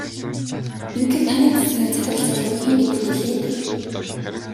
Ингэхэд танай тасгийн захирал залууг хэн гэдэг гэлээ дээ?